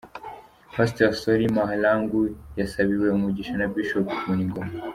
Pastor Solly Mahlangu yasabiwe umugisha na Bishop Vuningoma.